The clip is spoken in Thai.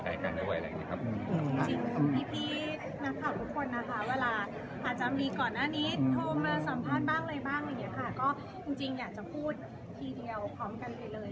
จริงอยากจะพูดทีเดียวพร้อมกันเรียบ